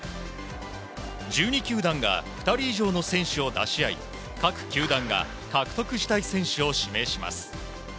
１２球団が２人以上の選手を出し合い各球団が獲得したい選手を指名します。